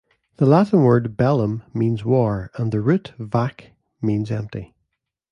The Latin word "bellum" means war, and the root "vac-" means empty.